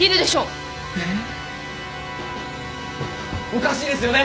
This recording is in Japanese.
おかしいですよね？